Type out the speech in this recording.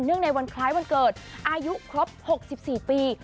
เนื่องในวันคล้ายวันเกิดอายุครบหกสิบสี่ปี